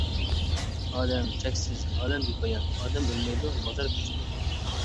ئادەم چەكسىز، ئالەم بىپايان، ئادەم ئۆلمەيدۇ، مازار كۆچىدۇ.